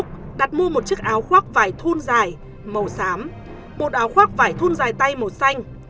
đặt mua một chiếc áo khoác vải thun dài màu xám một áo khoác vải thun dài tay màu xanh